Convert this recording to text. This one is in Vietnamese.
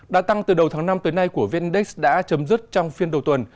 đã tăng từ đầu tháng năm tới nay của vn index đã chấm dứt trong phiên đầu tuần